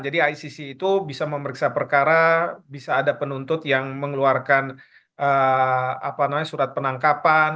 jadi icc itu bisa memeriksa perkara bisa ada penuntut yang mengeluarkan surat penangkapan